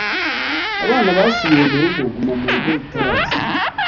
Abana basubiye murugo gumamurugo itaraza.